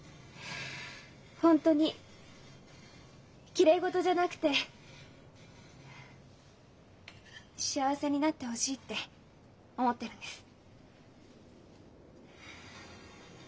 本当にきれい事じゃなくて幸せになってほしいって思ってるんです。